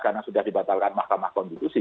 karena sudah dibatalkan mahkamah konstitusi